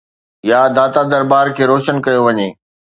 يا داتا درٻار کي روشن ڪيو وڃي؟